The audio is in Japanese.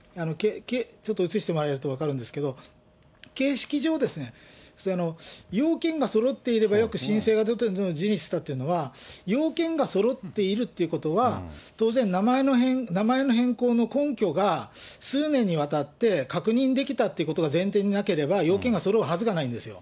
ちょっと映してもらえると分かるんですけど、形式上、要件がそろっていればよく申請が出ているのを受理したというのは、要件がそろっているっていうことは、当然、名前の変更の根拠が、数年にわたって確認できたってことが前提になければ、要件がそろうはずがないんですよ。